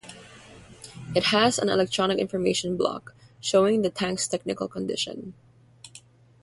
It has an electronic information block showing the tank's technical condition.